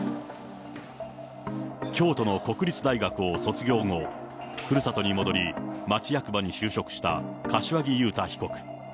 京都の国立大学を卒業後、ふるさとに戻り町役場に就職した柏木雄太被告。